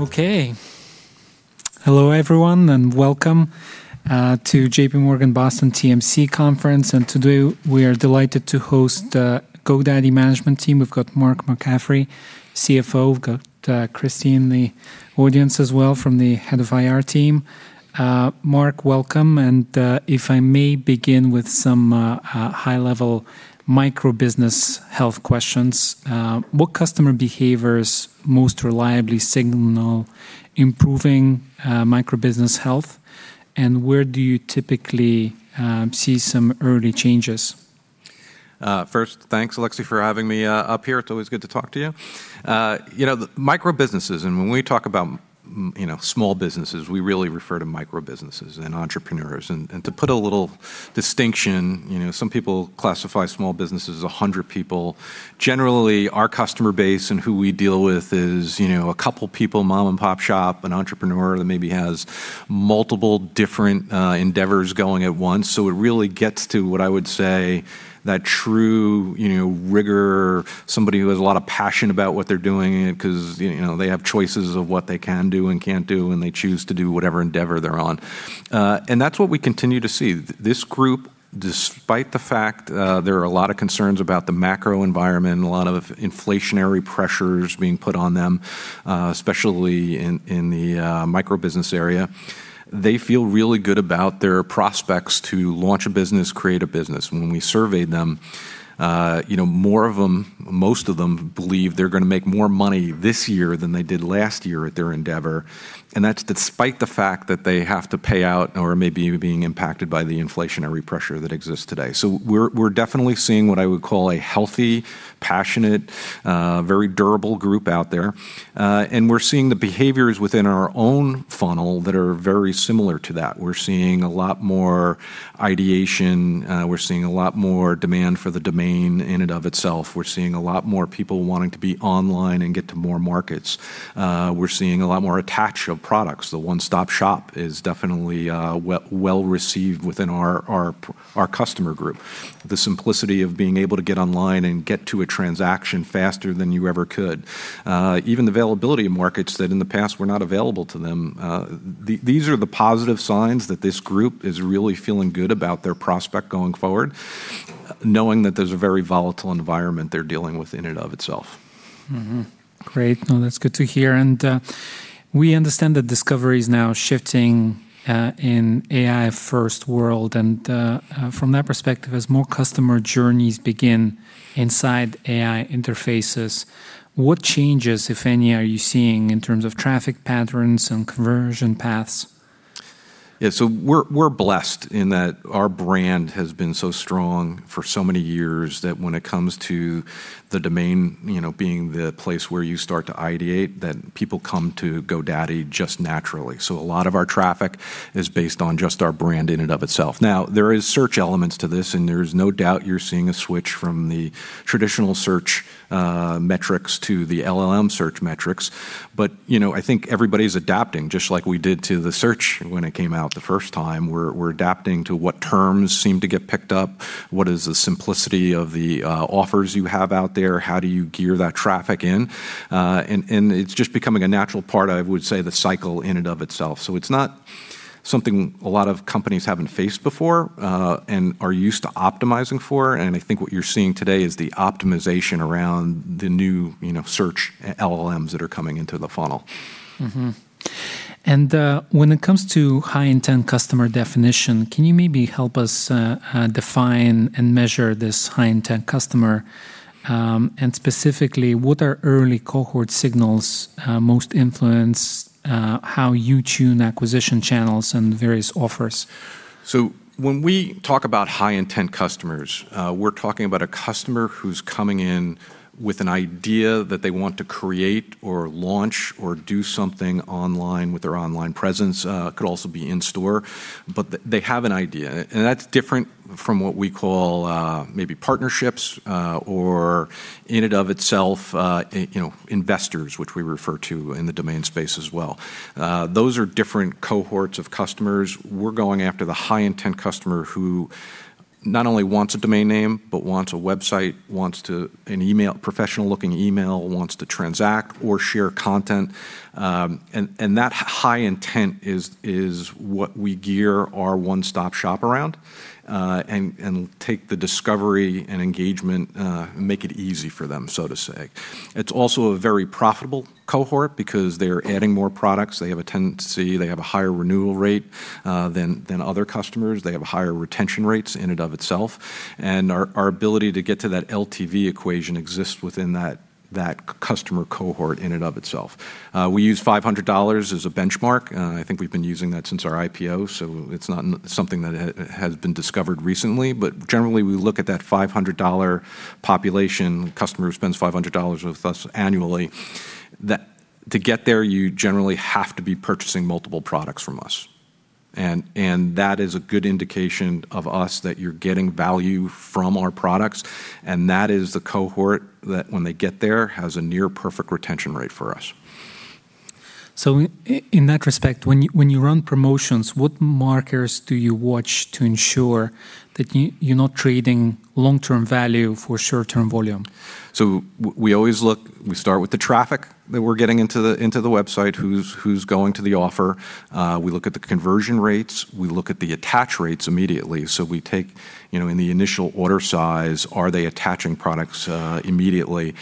Okay. Hello everyone, and welcome to JPMorgan Boston TMC Conference. Today we are delighted to host the GoDaddy management team. We've got Mark McCaffrey, CFO. We've got Christie in the audience as well from the Head of IR team. Mark, welcome, and if I may begin with some high-level microbusiness health questions. What customer behaviors most reliably signal improving microbusiness health, and where do you typically see some early changes? First, thanks, Alexei, for having me up here. It's always good to talk to you. You know, the microbusinesses, and when we talk about you know, small businesses, we really refer to microbusinesses and entrepreneurs. To put a little distinction, you know, some people classify small business as 100 people. Generally, our customer base and who we deal with is, you know, a couple people, mom-and-pop shop, an entrepreneur that maybe has multiple different endeavors going at once. It really gets to what I would say that true, you know, rigor, somebody who has a lot of passion about what they're doing, 'cause, you know, they have choices of what they can do and can't do, and they choose to do whatever endeavor they're on. That's what we continue to see. This group, despite the fact, there are a lot of concerns about the macro environment and a lot of inflationary pressures being put on them, especially in the microbusiness area, they feel really good about their prospects to launch a business, create a business. When we surveyed them, you know, more of them, most of them believe they're gonna make more money this year than they did last year at their endeavor, and that's despite the fact that they have to pay out or may be being impacted by the inflationary pressure that exists today. We're, we're definitely seeing what I would call a healthy, passionate, very durable group out there. We're seeing the behaviors within our own funnel that are very similar to that. We're seeing a lot more ideation. We're seeing a lot more demand for the domain in and of itself. We're seeing a lot more people wanting to be online and get to more markets. We're seeing a lot more attach of products. The one-stop shop is definitely well received within our customer group. The simplicity of being able to get online and get to a transaction faster than you ever could. Even the availability of markets that in the past were not available to them. These are the positive signs that this group is really feeling good about their prospect going forward, knowing that there's a very volatile environment they're dealing with in and of itself. Great. No, that's good to hear. We understand that discovery is now shifting in AI first world. From that perspective, as more customer journeys begin inside AI interfaces, what changes, if any, are you seeing in terms of traffic patterns and conversion paths? We're blessed in that our brand has been so strong for so many years that when it comes to the domain, you know, being the place where you start to ideate, that people come to GoDaddy just naturally. A lot of our traffic is based on just our brand in and of itself. Now, there is search elements to this, there's no doubt you're seeing a switch from the traditional search metrics to the LLM search metrics. You know, I think everybody's adapting, just like we did to the search when it came out the first time. We're adapting to what terms seem to get picked up. What is the simplicity of the offers you have out there? How do you gear that traffic in? It's just becoming a natural part, I would say, the cycle in and of itself. It's not something a lot of companies haven't faced before and are used to optimizing for. I think what you're seeing today is the optimization around the new, you know, search LLMs that are coming into the funnel. When it comes to high-intent customer definition, can you maybe help us define and measure this high-intent customer? Specifically, what are early cohort signals most influence how you tune acquisition channels and various offers? When we talk about high-intent customers, we're talking about a customer who's coming in with an idea that they want to create or launch or do something online with their online presence. Could also be in store, but they have an idea. And that's different from what we call, maybe partnerships, or in and of itself, you know, investors, which we refer to in the domain space as well. Those are different cohorts of customers. We're going after the high-intent customer who not only wants a domain name but wants a website, wants an email, professional-looking email, wants to transact or share content. And that high intent is what we gear our one-stop shop around, and take the discovery and engagement, make it easy for them, so to say. It's also a very profitable cohort because they're adding more products. They have a tendency, they have a higher renewal rate than other customers. They have higher retention rates in and of itself. Our ability to get to that LTV equation exists within that customer cohort in and of itself. We use $500 as a benchmark. I think we've been using that since our IPO, so it's not something that has been discovered recently. Generally, we look at that $500 population, customer who spends $500 with us annually, that to get there, you generally have to be purchasing multiple products from us. That is a good indication of us that you're getting value from our products, and that is the cohort that, when they get there, has a near perfect retention rate for us. In that respect, when you run promotions, what markers do you watch to ensure that you're not trading long-term value for short-term volume? We always look, we start with the traffic that we're getting into the website, who's going to the offer. We look at the conversion rates, we look at the attach rates immediately. We take, you know, in the initial order size, are they attaching products immediately?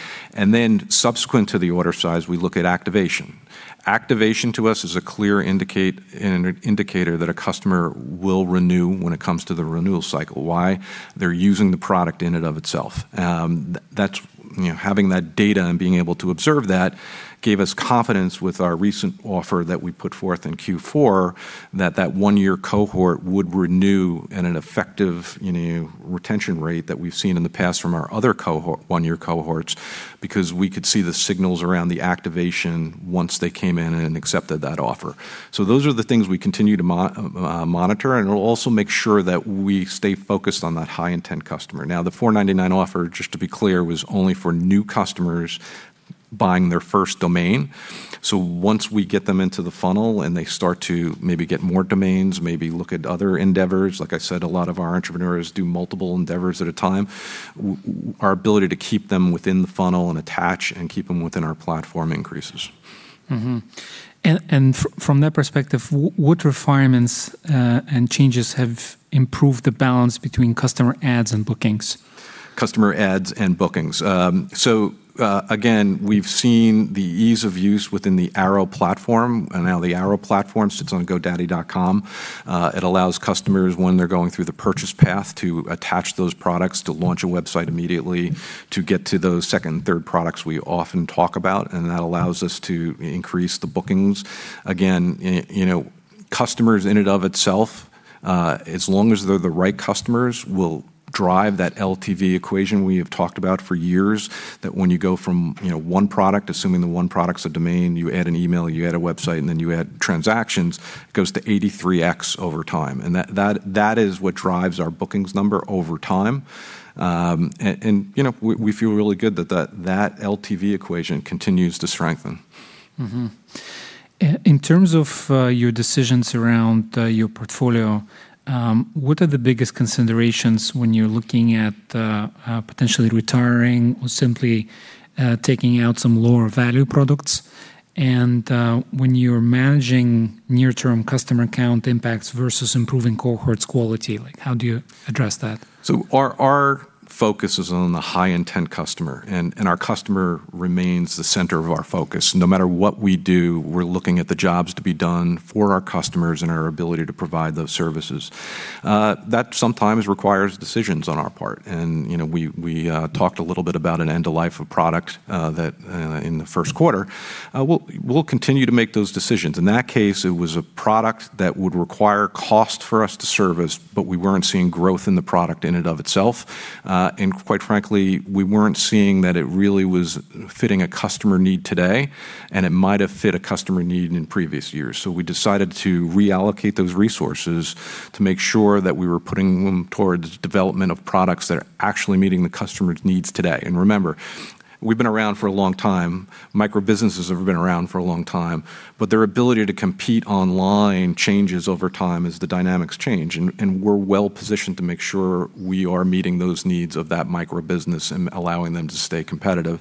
Subsequent to the order size, we look at activation. Activation to us is a clear an indicator that a customer will renew when it comes to the renewal cycle. Why? They're using the product in and of itself. That's, you know, having that data and being able to observe that gave us confidence with our recent offer that we put forth in Q4 that that one-year cohort would renew at an effective, you know, retention rate that we've seen in the past from our other cohort, one-year cohorts, because we could see the signals around the activation once they came in and accepted that offer. Those are the things we continue to monitor, and it'll also make sure that we stay focused on that high-intent customer. The $4.99 offer, just to be clear, was only for new customers buying their first domain. Once we get them into the funnel and they start to maybe get more domains, maybe look at other endeavors, like I said, a lot of our entrepreneurs do multiple endeavors at a time, our ability to keep them within the funnel and attach and keep them within our platform increases. From that perspective, what requirements and changes have improved the balance between customer adds and bookings? Customer adds and bookings. Again, we've seen the ease of use within the Airo platform, and now the Airo platform sits on godaddy.com. It allows customers when they're going through the purchase path to attach those products, to launch a website immediately, to get to those second and third products we often talk about, that allows us to increase the bookings. Again, you know, customers in and of itself, as long as they're the right customers, will drive that LTV equation we have talked about for years, that when you go from, you know, one product, assuming the one product's a domain, you add an email, you add a website, and then you add transactions, goes to 83x over time. That is what drives our bookings number over time. You know, we feel really good that LTV equation continues to strengthen. Mm-hmm. In terms of your decisions around your portfolio, what are the biggest considerations when you're looking at potentially retiring or simply taking out some lower value products? When you're managing near-term customer count impacts versus improving cohorts quality, like how do you address that? Our focus is on the high-intent customer and our customer remains the center of our focus. No matter what we do, we're looking at the jobs to be done for our customers and our ability to provide those services. That sometimes requires decisions on our part. You know, we talked a little bit about an end of life of product that in the first quarter. We'll continue to make those decisions. In that case, it was a product that would require cost for us to service, but we weren't seeing growth in the product in and of itself. Quite frankly, we weren't seeing that it really was fitting a customer need today, and it might have fit a customer need in previous years. We decided to reallocate those resources to make sure that we were putting them towards development of products that are actually meeting the customer's needs today. Remember, we've been around for a long time. Microbusinesses have been around for a long time, their ability to compete online changes over time as the dynamics change. We're well positioned to make sure we are meeting those needs of that microbusiness and allowing them to stay competitive,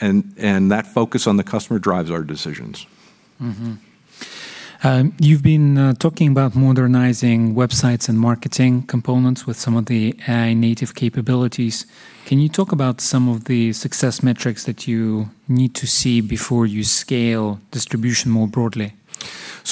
that focus on the customer drives our decisions. You've been talking about modernizing websites and marketing components with some of the AI native capabilities. Can you talk about some of the success metrics that you need to see before you scale distribution more broadly?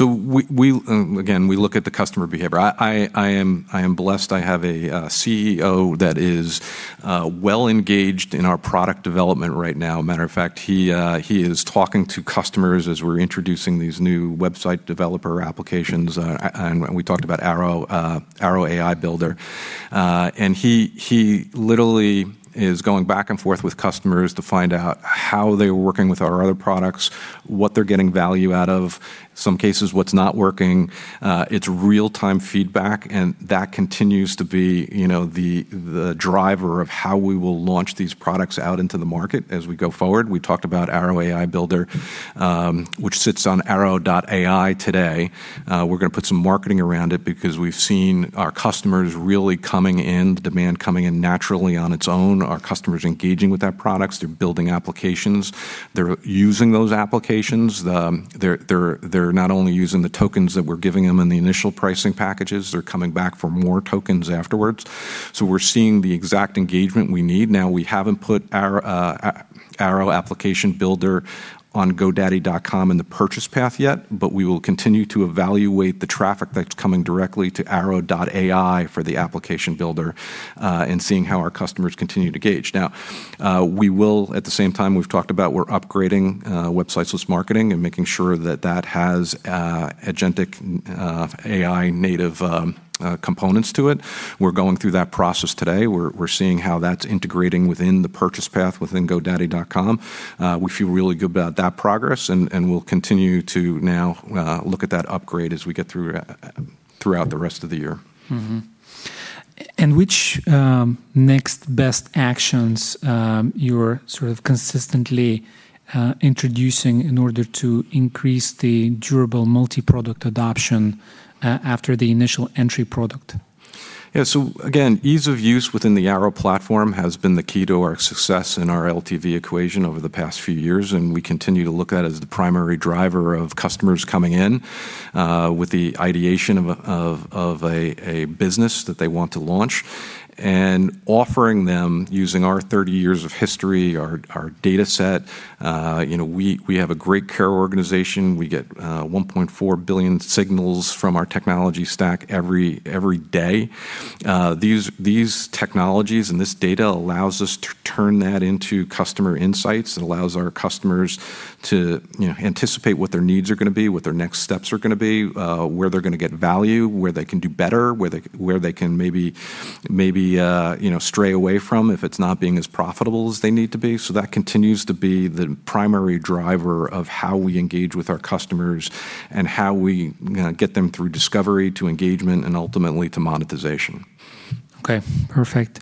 Again, we look at the customer behavior. I am blessed. I have a CEO that is well engaged in our product development right now. Matter of fact, he is talking to customers as we're introducing these new website developer applications. And we talked about Airo AI Builder. And he literally is going back and forth with customers to find out how they were working with our other products, what they're getting value out of, some cases what's not working. It's real-time feedback and that continues to be, you know, the driver of how we will launch these products out into the market as we go forward. We talked about Airo AI Builder, which sits on Airo.ai today. We're gonna put some marketing around it because we've seen our customers really coming in, the demand coming in naturally on its own, our customers engaging with our products. They're building applications. They're using those applications. They're not only using the tokens that we're giving them in the initial pricing packages, they're coming back for more tokens afterwards. We're seeing the exact engagement we need. Now, we haven't put Airo App Builder on godaddy.com in the purchase path yet, but we will continue to evaluate the traffic that's coming directly to Airo.ai for the Application Builder, and seeing how our customers continue to engage. Now, we will, at the same time, we've talked about we're upgrading, Websites + Marketing and making sure that that has, agentic, AI native, components to it. We're going through that process today. We're seeing how that's integrating within the purchase path within godaddy.com. We feel really good about that progress and we'll continue to now look at that upgrade as we get through throughout the rest of the year. Which, next best actions, you're sort of consistently introducing in order to increase the durable multi-product adoption, after the initial entry product? Yeah. Again, ease of use within the Airo platform has been the key to our success in our LTV equation over the past few years, and we continue to look at it as the primary driver of customers coming in with the ideation of a business that they want to launch and offering them using our 30 years of history, our data set. You know, we have a great care organization. We get 1.4 billion signals from our technology stack every day. These technologies and this data allows us to turn that into customer insights. It allows our customers to, you know, anticipate what their needs are gonna be, what their next steps are gonna be, where they're gonna get value, where they can do better, where they, where they can maybe, you know, stray away from if it's not being as profitable as they need to be. That continues to be the primary driver of how we engage with our customers and how we get them through discovery to engagement and ultimately to monetization. Okay. Perfect.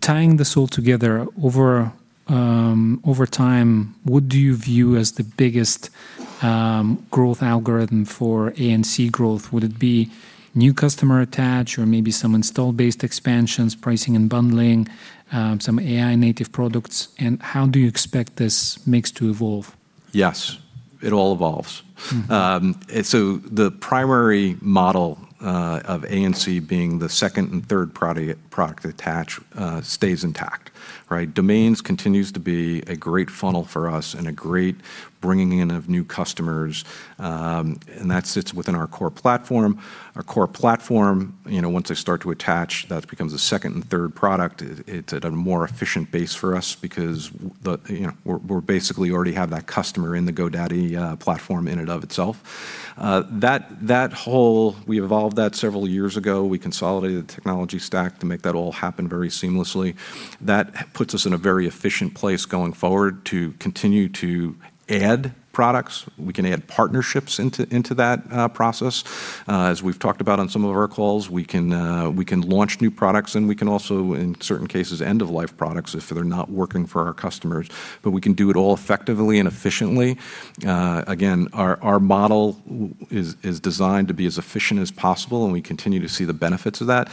Tying this all together, over time, what do y ou view as the biggest growth algorithm for A&C growth? Would it be new customer attach or maybe some install-based expansions, pricing and bundling, some AI native products? How do you expect this mix to evolve? Yes, it all evolves. The primary model of A&C being the second and third product attach stays intact, right? Domains continues to be a great funnel for us and a great bringing in of new customers. That sits within our core platform. Our core platform, you know, once they start to attach, that becomes a second and third product. It's at a more efficient base for us because, you know, we're basically already have that customer in the GoDaddy platform in and of itself. We evolved that several years ago. We consolidated the technology stack to make that all happen very seamlessly. That puts us in a very efficient place going forward to continue to add products. We can add partnerships into that process. As we've talked about on some of our calls, we can launch new products, and we can also, in certain cases, end-of-life products if they're not working for our customers. We can do it all effectively and efficiently. Again, our model is designed to be as efficient as possible, and we continue to see the benefits of that.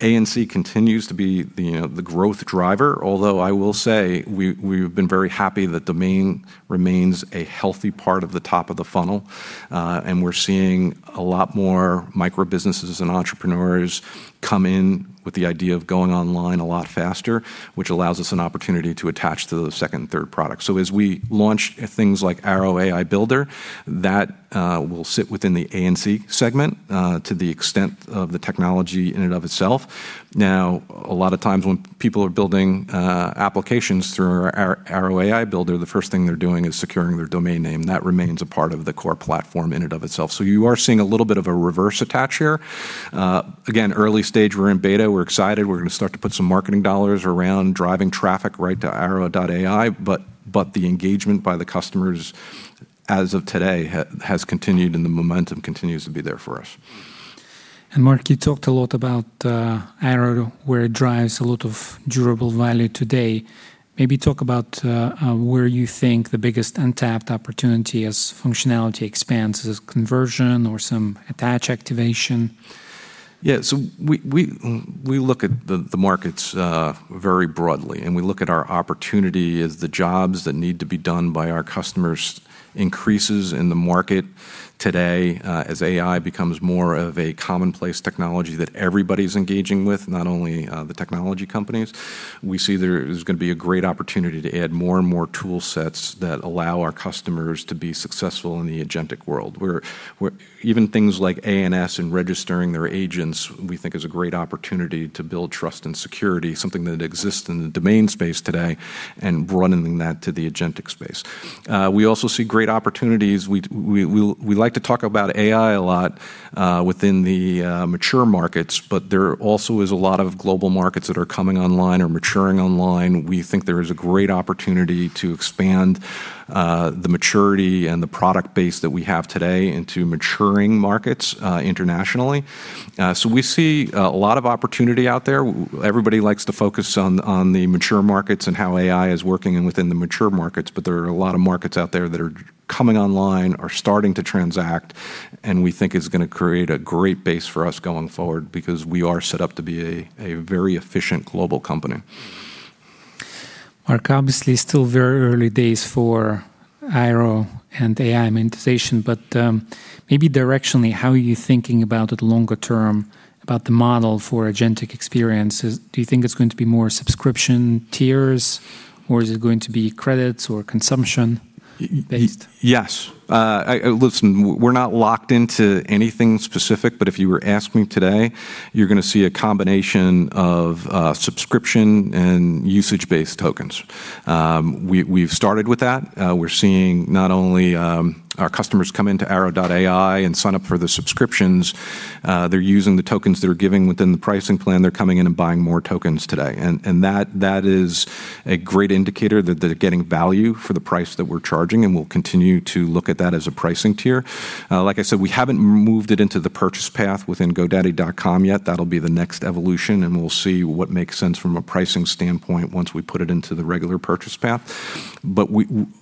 A&C continues to be the, you know, the growth driver, although I will say we've been very happy that domain remains a healthy part of the top of the funnel. We're seeing a lot more micro-businesses and entrepreneurs come in with the idea of going online a lot faster, which allows us an opportunity to attach to the second and third product. As we launch things like Airo AI Builder, that will sit within the A&C segment to the extent of the technology in and of itself. A lot of times when people are building applications through our Airo AI Builder, the first thing they're doing is securing their domain name. That remains a part of the core platform in and of itself. You are seeing a little bit of a reverse attach here. Again, early stage, we're in beta, we're excited. We're gonna start to put some marketing dollars around driving traffic right to Airo.ai, but the engagement by the customers as of today has continued, and the momentum continues to be there for us. Mark, you talked a lot about Airo, where it drives a lot of durable value today. Maybe talk about where you think the biggest untapped opportunity as functionality expands. Is it conversion or some attach activation? Yeah. We, we look at the markets, very broadly, and we look at our opportunity as the jobs that need to be done by our customers increases in the market today, as AI becomes more of a commonplace technology that everybody's engaging with, not only, the technology companies. We see there is gonna be a great opportunity to add more and more tool sets that allow our customers to be successful in the agentic world, where even things like ANS and registering their agents, we think is a great opportunity to build trust and security, something that exists in the domain space today and broadening that to the agentic space. We also see great opportunities. We like to talk about AI a lot, within the mature markets, but there also is a lot of global markets that are coming online or maturing online. We think there is a great opportunity to expand the maturity and the product base that we have today into maturing markets internationally. We see a lot of opportunity out there. Everybody likes to focus on the mature markets and how AI is working and within the mature markets, but there are a lot of markets out there that are coming online, are starting to transact, and we think is gonna create a great base for us going forward because we are set up to be a very efficient global company. Mark, obviously still very early days for Airo and AI monetization, but, maybe directionally, how are you thinking about it longer-term, about the model for agentic experiences? Do you think it's going to be more subscription tiers, or is it going to be credits or consumption based? Yes. Listen, we're not locked into anything specific, but if you were asking me today, you're gonna see a combination of subscription and usage-based tokens. We've started with that. We're seeing not only our customers come into Airo.ai and sign up for the subscriptions, they're using the tokens they're giving within the pricing plan. They're coming in and buying more tokens today. That is a great indicator that they're getting value for the price that we're charging, and we'll continue to look at that as a pricing tier. Like I said, we haven't moved it into the purchase path within godaddy.com yet. That'll be the next evolution, and we'll see what makes sense from a pricing standpoint once we put it into the regular purchase path.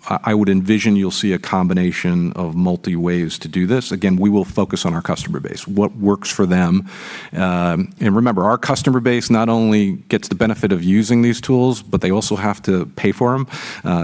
I would envision you'll see a combination of multi waves to do this. Again, we will focus on our customer base, what works for them. Remember, our customer base not only gets the benefit of using these tools, but they also have to pay for them,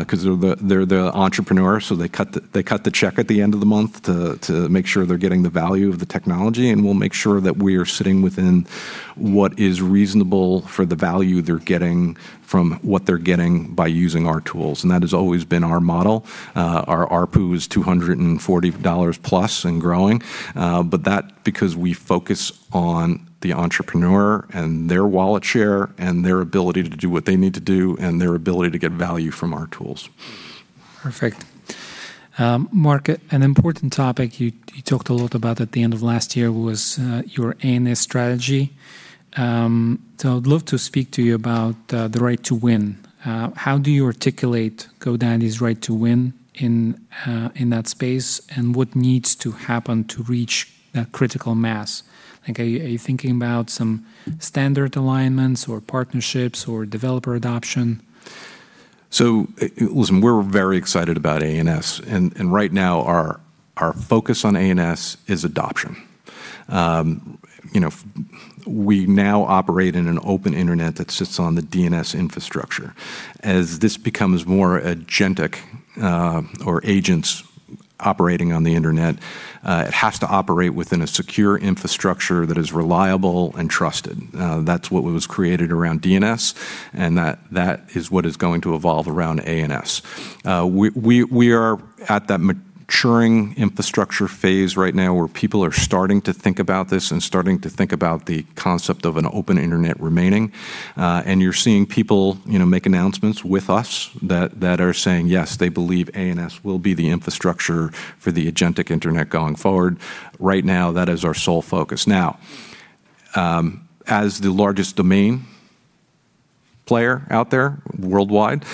'cause they're the entrepreneur, so they cut the check at the end of the month to make sure they're getting the value of the technology, and we'll make sure that we are sitting within what is reasonable for the value they're getting from what they're getting by using our tools. That has always been our model. Our ARPU is $240 plus and growing, but that because we focus on the entrepreneur and their wallet share and their ability to do what they need to do and their ability to get value from our tools. Perfect. Mark, an important topic you talked a lot about at the end of last year was your A&C strategy. I would love to speak to you about the right to win. How do you articulate GoDaddy's right to win in that space, and what needs to happen to reach that critical mass? Like, are you thinking about some standard alignments or partnerships or developer adoption? Listen, we're very excited about ANS, and right now our focus on ANS is adoption. You know, we now operate in an open internet that sits on the DNS infrastructure. As this becomes more agentic, or agents operating on the internet, it has to operate within a secure infrastructure that is reliable and trusted. That's what was created around DNS, and that is what is going to evolve around ANS. We are at that maturing infrastructure phase right now where people are starting to think about this and starting to think about the concept of an open internet remaining. You're seeing people, you know, make announcements with us that are saying, yes, they believe ANS will be the infrastructure for the agentic internet going forward. Right now, that is our sole focus. Now, as the largest domain player out there worldwide,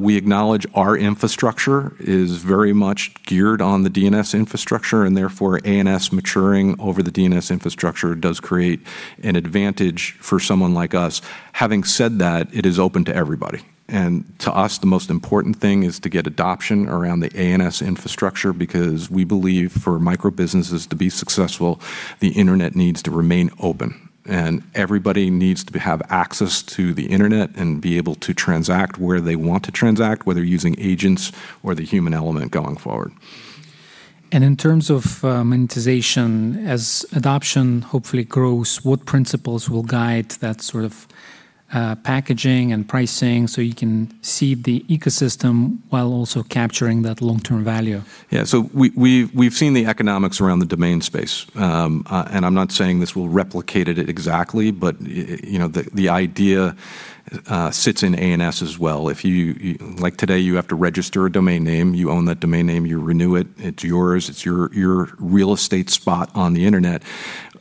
we acknowledge our infrastructure is very much geared on the DNS infrastructure, and therefore, ANS maturing over the DNS infrastructure does create an advantage for someone like us. Having said that, it is open to everybody. To us, the most important thing is to get adoption around the ANS infrastructure because we believe for micro-businesses to be successful, the internet needs to remain open, and everybody needs to have access to the internet and be able to transact where they want to transact, whether using agents or the human element going forward. In terms of monetization, as adoption hopefully grows, what principles will guide that sort of packaging and pricing so you can seed the ecosystem while also capturing that long-term value? Yeah. We've seen the economics around the domain space. I'm not saying this will replicate it exactly, but, you know, the idea sits in ANS as well. If you Like today, you have to register a domain name. You own that domain name, you renew it's yours, it's your real estate spot on the internet.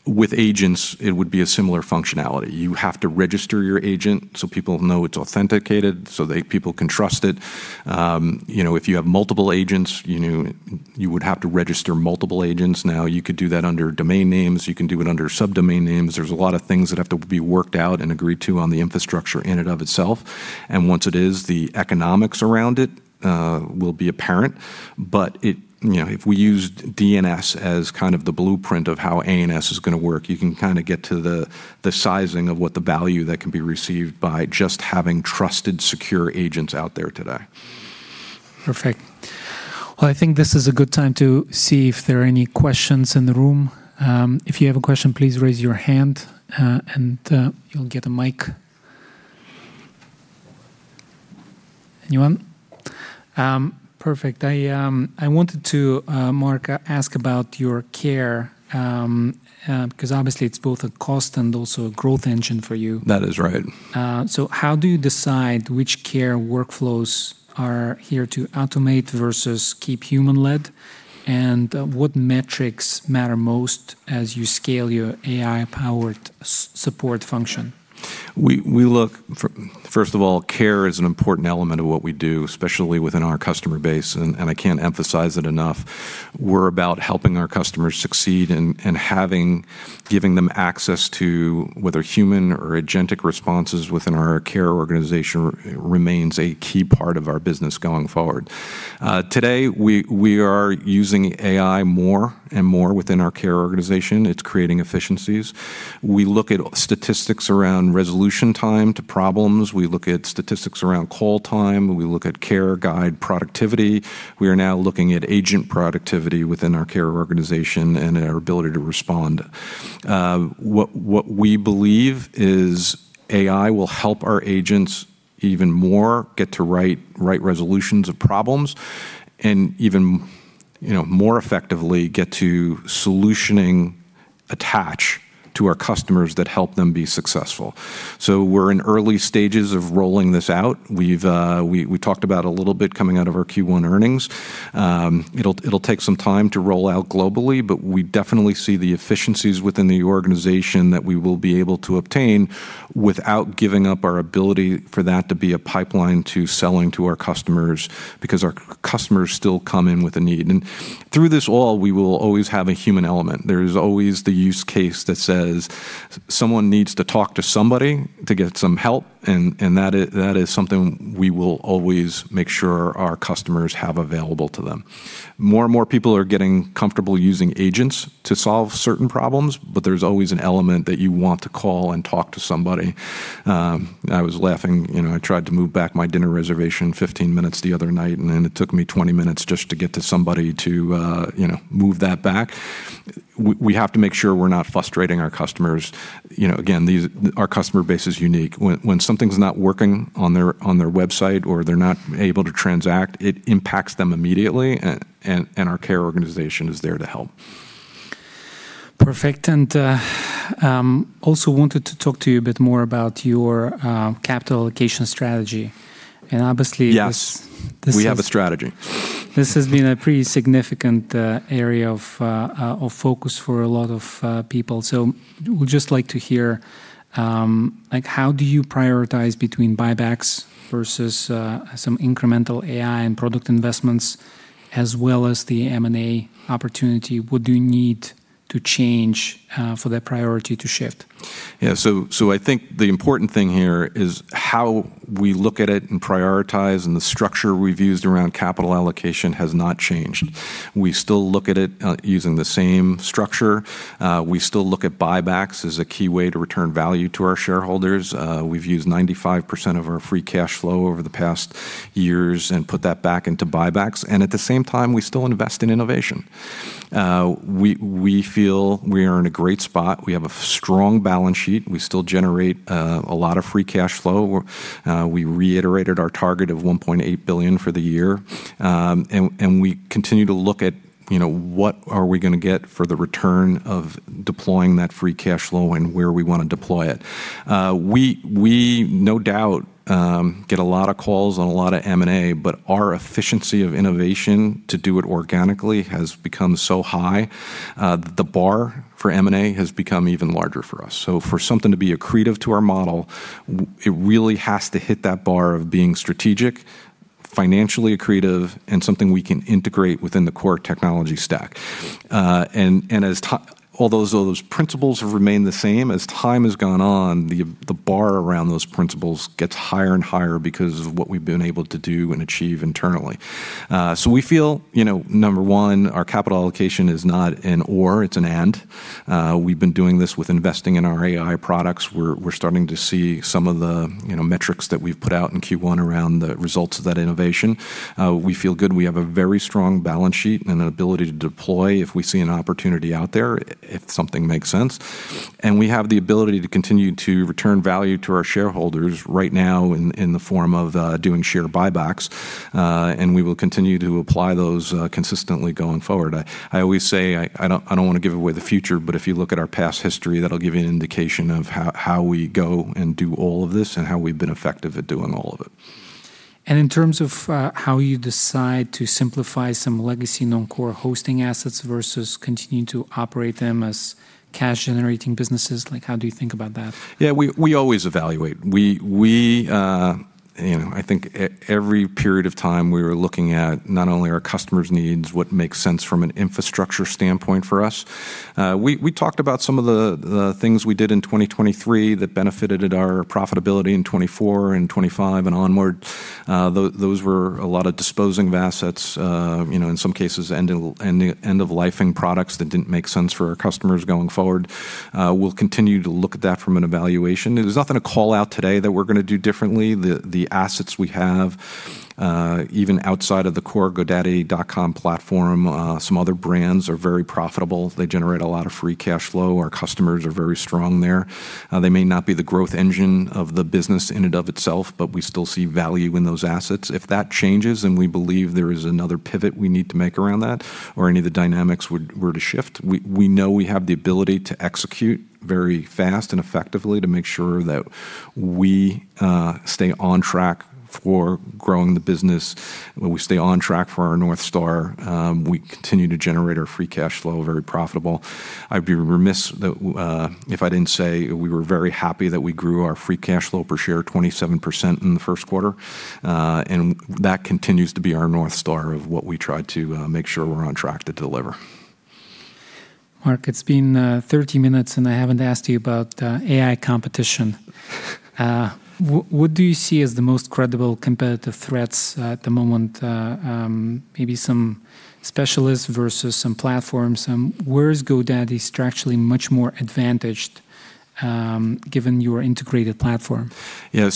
With agents, it would be a similar functionality. You have to register your agent so people know it's authenticated, so people can trust it. You know, if you have multiple agents, you know, you would have to register multiple agents. You could do that under domain names, you can do it under subdomain names. There's a lot of things that have to be worked out and agreed to on the infrastructure in and of itself. Once it is, the economics around it will be apparent. But it, you know, if we used DNS as kind of the blueprint of how ANS is gonna work, you can kinda get to the sizing of what the value that can be received by just having trusted, secure agents out there today. Perfect. Well, I think this is a good time to see if there are any questions in the room. If you have a question, please raise your hand, you'll get a mic. Anyone? Perfect. I wanted to, Mark, ask about your care, 'cause obviously it's both a cost and also a growth engine for you. That is right. How do you decide which care workflows are here to automate versus keep human-led? What metrics matter most as you scale your AI-powered support function? We look first of all, care is an important element of what we do, especially within our customer base, and I can't emphasize it enough. We're about helping our customers succeed and having, giving them access to whether human or agentic responses within our care organization remains a key part of our business going forward. Today, we are using AI more and more within our care organization. It's creating efficiencies. We look at statistics around resolution time to problems. We look at statistics around call time. We look at care guide productivity. We are now looking at agent productivity within our care organization and our ability to respond. What we believe is AI will help our agents even more get to right resolutions of problems and even, you know, more effectively get to solutioning attach to our customers that help them be successful. We're in early stages of rolling this out. We've talked about a little bit coming out of our Q1 earnings. It'll take some time to roll out globally, we definitely see the efficiencies within the organization that we will be able to obtain without giving up our ability for that to be a pipeline to selling to our customers because our customers still come in with a need. Through this all, we will always have a human element. There is always the use case that says someone needs to talk to somebody to get some help and that is something we will always make sure our customers have available to them. More and more people are getting comfortable using agents to solve certain problems, there's always an element that you want to call and talk to somebody. I was laughing, you know, I tried to move back my dinner reservation 15 minutes the other night, it took me 20 minutes just to get to somebody to, you know, move that back. We have to make sure we're not frustrating our customers. You know, again, our customer base is unique. When something's not working on their website or they're not able to transact, it impacts them immediately and our care organization is there to help. Perfect. Also wanted to talk to you a bit more about your capital allocation strategy. Yes this has- We have a strategy. This has been a pretty significant area of focus for a lot of people. Would just like to hear, like how do you prioritize between buybacks versus some incremental AI and product investments as well as the M&A opportunity? What do you need to change for that priority to shift? I think the important thing here is how we look at it and prioritize, and the structure we've used around capital allocation has not changed. We still look at it, using the same structure. We still look at buybacks as a key way to return value to our shareholders. We've used 95% of our free cash flow over the past years and put that back into buybacks, and at the same time we still invest in innovation. We feel we are in a great spot. We have a strong balance sheet. We still generate a lot of free cash flow. We reiterated our target of $1.8 billion for the year. We continue to look at, you know, what are we gonna get for the return of deploying that free cash flow and where we wanna deploy it. We, we no doubt get a lot of calls on a lot of M&A, but our efficiency of innovation to do it organically has become so high that the bar for M&A has become even larger for us. For something to be accretive to our model, it really has to hit that bar of being strategic, financially accretive, and something we can integrate within the core technology stack. Although those principles have remained the same, as time has gone on, the bar around those principles gets higher and higher because of what we've been able to do and achieve internally. We feel, you know, number one, our capital allocation is not an or, it's an and. We've been doing this with investing in our AI products. We're starting to see some of the, you know, metrics that we've put out in Q1 around the results of that innovation. We feel good. We have a very strong balance sheet and an ability to deploy if we see an opportunity out there if something makes sense. We have the ability to continue to return value to our shareholders right now in the form of doing share buybacks. We will continue to apply those consistently going forward. I always say I don't wanna give away the future, but if you look at our past history, that'll give you an indication of how we go and do all of this and how we've been effective at doing all of it. In terms of, how you decide to simplify some legacy non-core hosting assets versus continuing to operate them as cash-generating businesses, like how do you think about that? Yeah, we always evaluate. We, you know, I think every period of time we were looking at not only our customers' needs, what makes sense from an infrastructure standpoint for us. We talked about some of the things we did in 2023 that benefited our profitability in 2024 and 2025 and onward. Those were a lot of disposing of assets, you know, in some cases end-of-lifing products that didn't make sense for our customers going forward. We'll continue to look at that from an evaluation. There's nothing to call out today that we're gonna do differently. The assets we have, even outside of the core godaddy.com platform, some other brands are very profitable. They generate a lot of free cash flow. Our customers are very strong there. They may not be the growth engine of the business in and of itself, but we still see value in those assets. If that changes, we believe there is another pivot we need to make around that or any of the dynamics would were to shift, we know we have the ability to execute very fast and effectively to make sure that we stay on track for growing the business, we stay on track for our North Star. We continue to generate our free cash flow very profitable. I'd be remiss that if I didn't say we were very happy that we grew our free cash flow per share 27% in the first quarter. That continues to be our North Star of what we try to make sure we're on track to deliver. Mark, it's been 30 minutes and I haven't asked you about AI competition. What do you see as the most credible competitive threats at the moment? Maybe some specialists versus some platforms. Where is GoDaddy structurally much more advantaged given your integrated platform Yeah.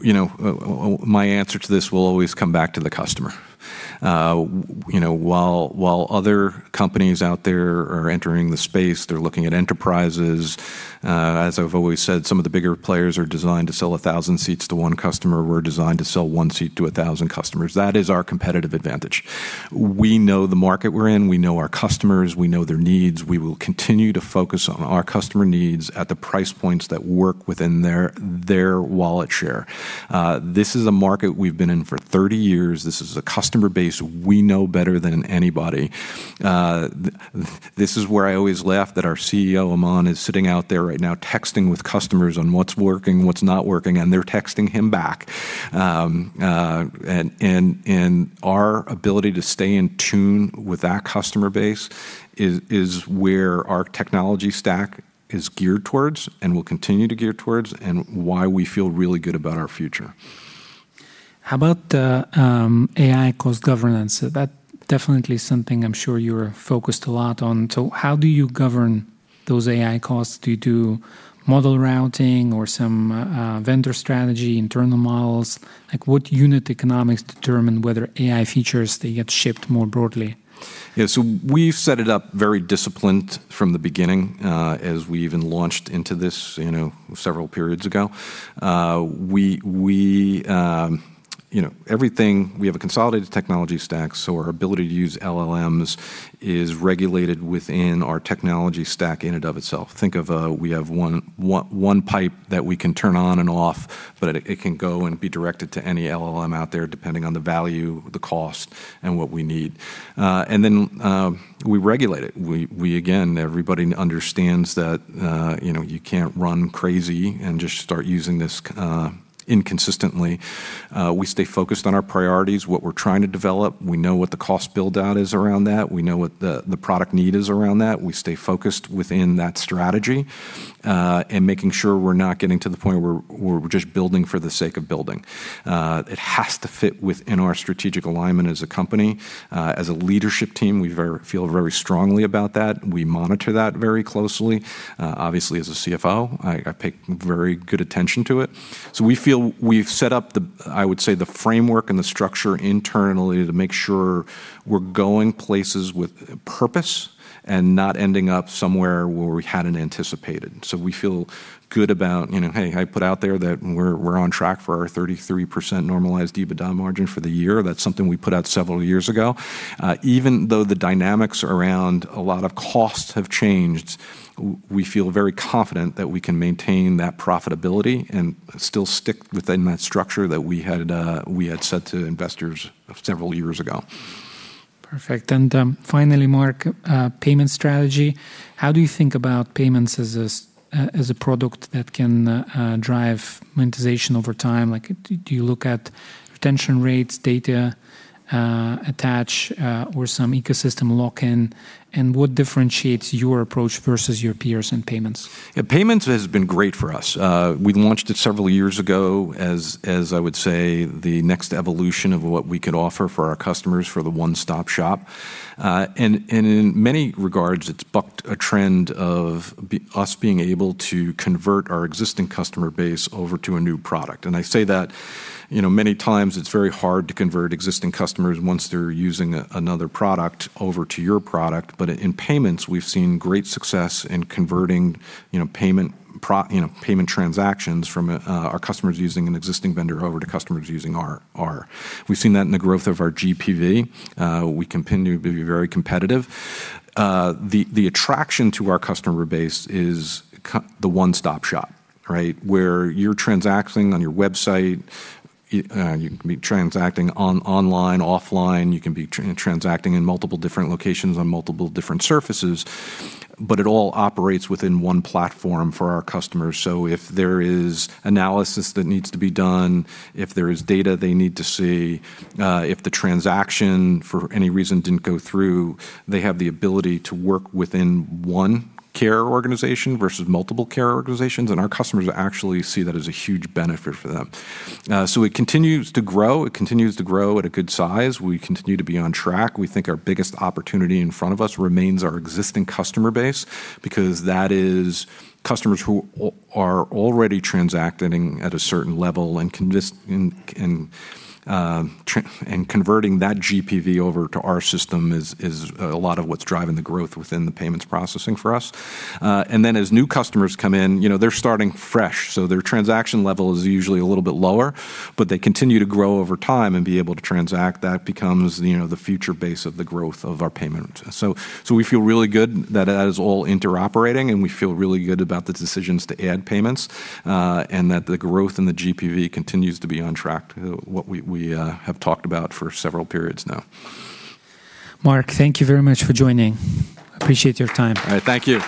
You know, my answer to this will always come back to the customer. You know, while other companies out there are entering the space, they're looking at enterprises. As I've always said, some of the bigger players are designed to sell 1,000 seats to one customer. We're designed to sell one seat to 1,000 customers. That is our competitive advantage. We know the market we're in. We know our customers. We know their needs. We will continue to focus on our customer needs at the price points that work within their wallet share. This is a market we've been in for 30 years. This is a customer base we know better than anybody. This is where I always laugh that our CEO Aman is sitting out there right now texting with customers on what's working, what's not working, and they're texting him back. Our ability to stay in tune with that customer base is where our technology stack is geared towards and will continue to gear towards, and why we feel really good about our future. How about AI cost governance? That definitely is something I'm sure you're focused a lot on. How do you govern those AI costs? Do you do model routing or some vendor strategy, internal models? Like what unit economics determine whether AI features, they get shipped more broadly? Yeah. We've set it up very disciplined from the beginning, as we even launched into this, you know, several periods ago. You know, we have a consolidated technology stack, so our ability to use LLMs is regulated within our technology stack in and of itself. Think of, we have one pipe that we can turn on and off, but it can go and be directed to any LLM out there depending on the value, the cost, and what we need. We regulate it. Again, everybody understands that, you know, you can't run crazy and just start using this inconsistently. We stay focused on our priorities, what we're trying to develop. We know what the cost build-out is around that. We know what the product need is around that. We stay focused within that strategy, in making sure we're not getting to the point where we're just building for the sake of building. It has to fit within our strategic alignment as a company. As a leadership team, we feel very strongly about that. We monitor that very closely. Obviously as a CFO, I pay very good attention to it. We feel we've set up the, I would say, the framework and the structure internally to make sure we're going places with purpose and not ending up somewhere where we hadn't anticipated. We feel good about, you know, hey, I put out there that we're on track for our 33% normalized EBITDA margin for the year. That's something we put out several years ago. Even though the dynamics around a lot of costs have changed, we feel very confident that we can maintain that profitability and still stick within that structure that we had set to investors several years ago. Perfect. Finally, Mark, payment strategy. How do you think about payments as a product that can drive monetization over time? Like, do you look at retention rates, data, attach, or some ecosystem lock-in? What differentiates your approach versus your peers in payments? Yeah, payments has been great for us. We launched it several years ago as I would say, the next evolution of what we could offer for our customers for the one-stop shop. In many regards, it's bucked a trend of us being able to convert our existing customer base over to a new product. I say that, you know, many times it's very hard to convert existing customers once they're using another product over to your product. In payments, we've seen great success in converting, you know, payment transactions from our customers using an existing vendor over to customers using our. We've seen that in the growth of our GPV. We continue to be very competitive. The attraction to our customer base is the one-stop shop, right? Where you're transacting on your website. You can be transacting on online, offline. You can be transacting in multiple different locations on multiple different surfaces, but it all operates within one platform for our customers. If there is analysis that needs to be done, if there is data they need to see, if the transaction for any reason didn't go through, they have the ability to work within one care organization versus multiple care organizations, and our customers actually see that as a huge benefit for them. It continues to grow. It continues to grow at a good size. We continue to be on track. We think our biggest opportunity in front of us remains our existing customer base because that is customers who are already transacting at a certain level and converting that GPV over to our system is a lot of what's driving the growth within the payments processing for us. As new customers come in, you know, they're starting fresh, so their transaction level is usually a little bit lower, but they continue to grow over time and be able to transact. That becomes, you know, the future base of the growth of our payment. We feel really good that that is all interoperating, and we feel really good about the decisions to add payments, and that the growth in the GPV continues to be on track, what we have talked about for several periods now. Mark, thank you very much for joining. Appreciate your time. All right. Thank you.